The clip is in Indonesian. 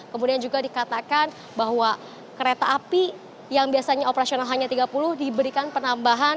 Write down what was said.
kemudian juga dikatakan bahwa kereta api yang biasanya operasional hanya tiga puluh diberikan penambahan